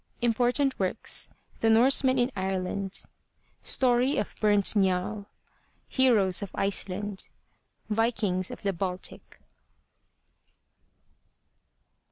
Important Works: The Norsemen in Ireland. Story of Burnt Njal. Heroes of Iceland. Viktngs of the Baltic.